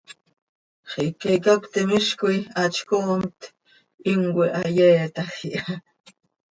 Xiica icacötim hizcoi hatzcoomt, himcoi hayeetaj iha.